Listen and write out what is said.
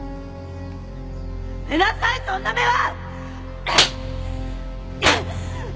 やめなさいそんな目は！